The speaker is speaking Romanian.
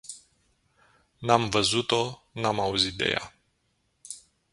N-am văzut-o, n-am auzit de ea.